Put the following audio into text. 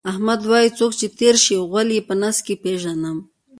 احمد وایي: څوک چې تېر شي، غول یې په نس کې پېژنم.